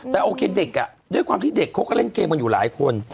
แต่โอเคเด็กด้วยความที่เด็กเขาก็เล่นเกมกันอยู่หลายคน